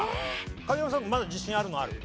影山さんまだ自信あるのある？